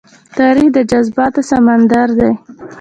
تاریخ د جذباتو سمندر دی.